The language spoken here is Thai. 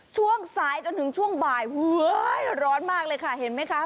ช่วงสายจนถึงช่วงบ่ายร้อนมากเลยค่ะเห็นไหมคะ